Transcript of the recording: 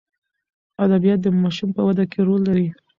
ادبیات د ماشوم په وده کې رول لري.